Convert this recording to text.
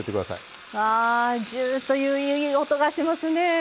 あぁジューッといういい音がしますね。